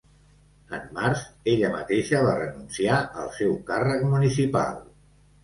En març ella mateixa va renunciar al seu càrrec municipal.